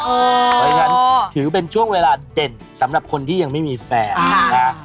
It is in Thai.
เพราะฉะนั้นถือเป็นช่วงเวลาเด่นสำหรับคนที่ยังไม่มีแฟนนะ